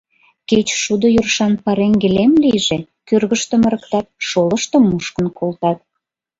Кеч шудо йӧршан пареҥге лем лийже — кӧргыштым ырыктат, шолыштым мушкын колтат.